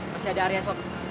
masih ada area sob